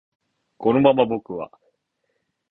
このまま僕は